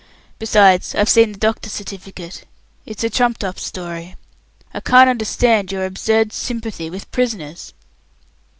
Besides, I've seen the doctor's certificate. It's a trumped up story. I can't understand your absurd sympathy with prisoners."